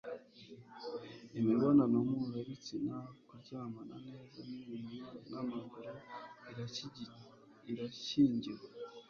imibonano mpuzabitsina kuryamana neza n'iminwa n'amaguru irashyingiwe